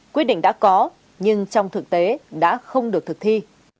quyết định đã có nhưng trong thực tế đã không được thực thi